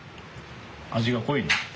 味が濃い。